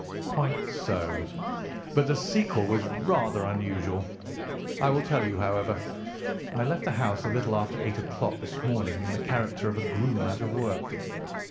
"Quite so; but the sequel was rather unusual. I will tell you, however. I left the house a little after eight o'clock this morning in the character of a groom out of work.